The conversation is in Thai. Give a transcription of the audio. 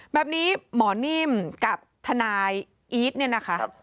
แบบนี้หมอนิ่มกับทนายอีทเนี่ยนะคะ